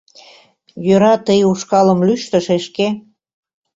Йӧра, тый ушкалым лӱштӧ, шешке.